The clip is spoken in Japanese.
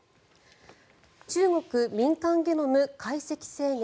中国民間ゲノム解析制限